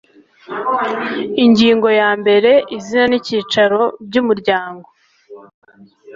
Ingingo ya mbere Izina n Icyicaro by Umuryango